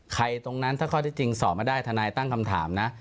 ตรงนั้นถ้าข้อที่จริงสอบมาได้ทนายตั้งคำถามนะ